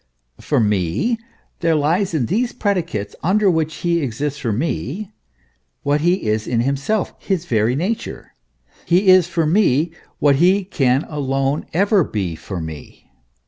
For me, there lies in these predicates under w T hich he exists for me, what he is in himself, his very nature ; he is for me what he can alone ever be for me.